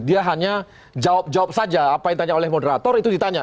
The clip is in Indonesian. dia hanya jawab jawab saja apa yang ditanya oleh moderator itu ditanya